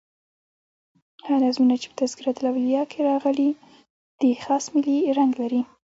هغه نظمونه چي په "تذکرةالاولیاء" کښي راغلي دي خاص ملي رنګ لري.